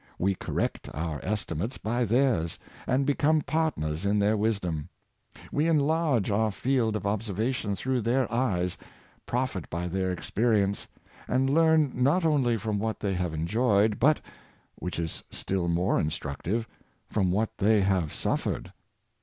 We correct our estimates by theirs, and become partners in their wisdom. We enlarge our field of observation through their eyes, pro fit by their experience, and learn not only from what they have enjoyed, but — which is still more instructive — from what they have suffered.